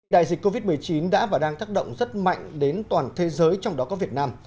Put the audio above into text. đại dịch covid một mươi chín đã và đang tác động rất mạnh đến toàn thế giới trong đó có việt nam